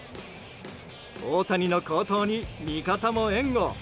大谷の好投に味方も援護。